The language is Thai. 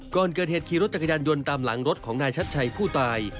ก่อนเกิดเหตุขี่รถจักรยานยนต์ตามหลังรถของนายชัดชัยผู้ตาย